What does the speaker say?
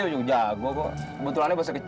gue juga jago kok kebetulannya busnya kecil